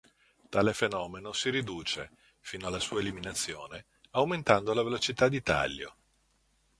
Tale fenomeno si riduce, fino alla sua eliminazione, aumentando la velocità di taglio.